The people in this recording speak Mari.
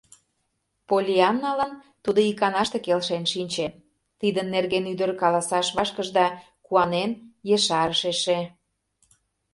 Поллианналан тудо иканаште келшен шинче, тидын нерген ӱдыр каласаш вашкыш да куанен ешарыш эше: